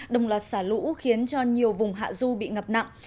đồng loạt xả lũ khiến cho nhiều vùng hạ du bị ngập nặng